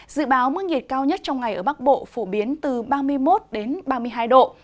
dự báo mức nhiệt cao nhất trong ngày ở bắc bộ phổ biến từ ba mươi một ba mươi hai độ